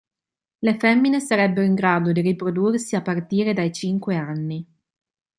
Le femmine sarebbero in grado di riprodursi a partire dai cinque anni.